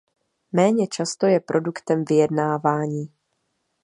Méně často je produktem vyjednávání.